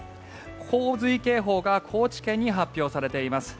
洪水警報が高知県に発表されています。